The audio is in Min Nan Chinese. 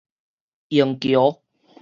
螢橋